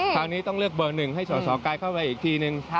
คราวนี้ต้องเลือกเบอร์หนึ่งให้ศรศอร์ไกลเข้าไปอีกทีนึง